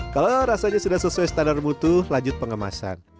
kalau rasanya sudah sesuai standar mutu lanjut pengemasan